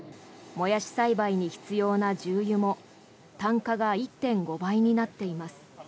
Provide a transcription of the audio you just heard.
モヤシ栽培に必要な重油も単価が１．５倍になっています。